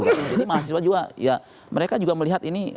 jadi mahasiswa juga ya mereka juga melihat ini